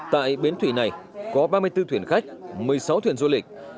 tại bến thủy này có ba mươi bốn thuyền khách một mươi sáu thuyền du lịch